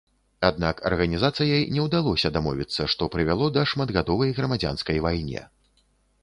Аднак арганізацыяй не ўдалося дамовіцца, што прывяло да шматгадовай грамадзянскай вайне.